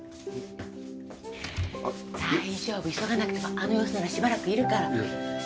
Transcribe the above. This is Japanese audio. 大丈夫急がなくてもあの様子ならしばらくいるから。